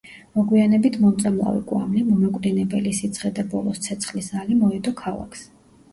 მოგვიანებით მომწამლავი კვამლი, მომაკვდინებელი სიცხე და ბოლოს – ცეცხლის ალი მოედო ქალაქს.